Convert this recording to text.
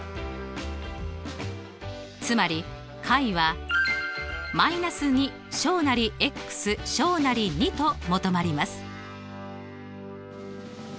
つまり解は−２２と求まります。